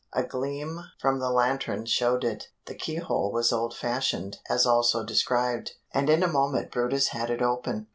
A gleam from the lantern showed it; the key hole was old fashioned as also described, and in a moment brutus had it open.